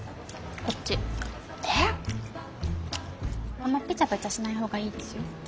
あんまペチャペチャしないほうがいいですよ。